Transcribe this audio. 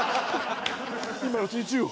今のうちに銃を。